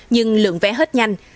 nhưng lượng vé hết nhanh